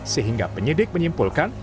sehingga penyidik menyimpulkan